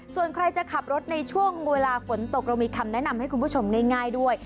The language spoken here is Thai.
ส่วนใครจะขับรถในช่วงเวลาฝนตกเรามีคำแนะนำให้คุณผู้ชมง่ายด้วย